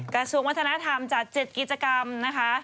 กระทรวงวัฒนธรรมจัด๗กิจกรรมนะคะ